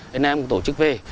thế này em cũng tổ chức về